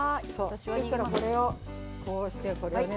そしたらこれをこうしてこれをね